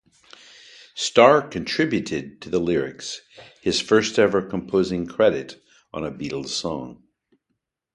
Starr contributed to the lyrics, his first-ever composing credit on a Beatles song.